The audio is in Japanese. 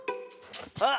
あっ。